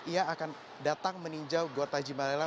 ia akan datang meninjau gor tajimala